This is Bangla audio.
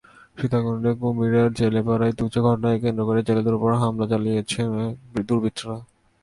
সীতাকুণ্ডের কুমিরার জেলেপাড়ায় তুচ্ছ ঘটনাকে কেন্দ্র করে জেলেদের ওপর হামলা চালিয়েছে দুর্বৃত্তরা।